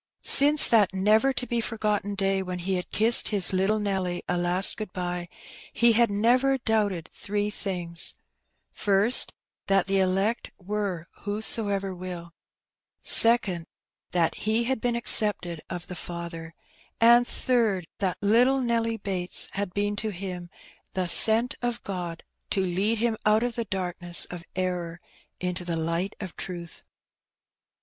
Since that never to be forgotten day when he had kissed his little Nelly a last good bye, he had never doubted three things :— First, that the elect were ^' whoso ever wilP'; second, that he had been accepted of the Father; and, third, that little Nelly Bates had been to him the "sent of God,^^ to lead him out of the darkness of error into the light of truth.